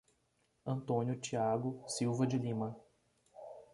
Antônio Tiago Silva de Lima